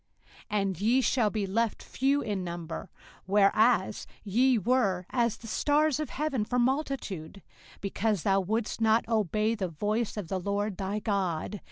05:028:062 And ye shall be left few in number, whereas ye were as the stars of heaven for multitude; because thou wouldest not obey the voice of the LORD thy God.